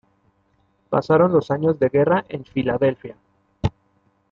Pasaron los años de guerra en Filadelfia.